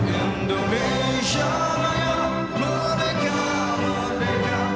indonesia raya merdeka merdeka